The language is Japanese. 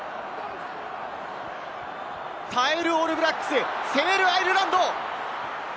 耐えるオールブラックス、攻めるアイルランド。